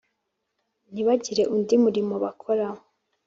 ntibagire undi murimo bakora